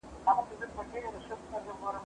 زه به اوږده موده لوبه کړې وم!؟